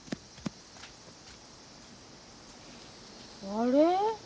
あれ？